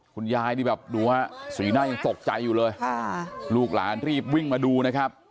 คุณยายนี่แบบดูฮะสีหน้ายังตกใจอยู่เลยลูกหลานรีบวิ่งมาดูนะครับ